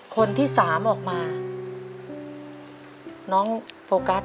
คนที่สามออกมาน้องโฟกัส